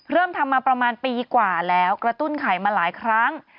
เริ่มทำมาประมาณปีกว่าแล้วกระตุ้นไข่มาหลายครั้ง